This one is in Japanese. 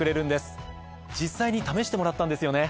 実際に試してもらったんですよね？